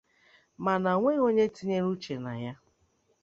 mana o nweghị onye tinyere uche na ya.